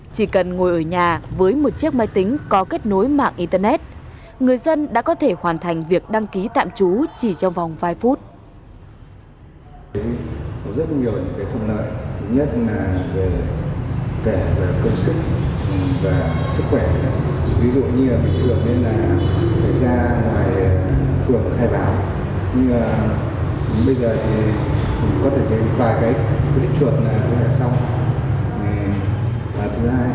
chỉ cần ngồi ở nhà với một chiếc máy tính có kết nối mạng internet người dân đã có thể hoàn thành việc đăng ký tạm trú trong vòng vài phút